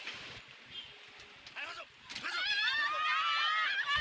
hai salah dalam